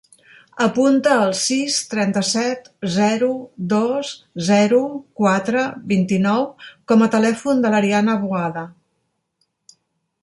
Apunta el sis, trenta-set, zero, dos, zero, quatre, vint-i-nou com a telèfon de l'Ariana Boada.